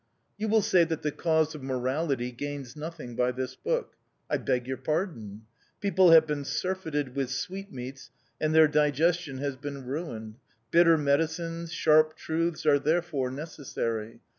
You will say that the cause of morality gains nothing by this book. I beg your pardon. People have been surfeited with sweetmeats and their digestion has been ruined: bitter medicines, sharp truths, are therefore necessary.